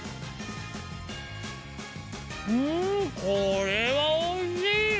うんこれはおいしいよ！